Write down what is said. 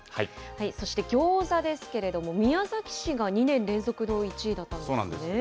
そしてギョーザですけれども、宮崎市が２年連続の１位だったんですね。